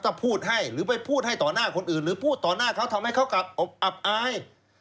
ถ้าพูดให้หรือไปพูดให้ต่อหน้าคนอื่นหรือพูดต่อหน้าเขาทำให้เขากลับอับอาย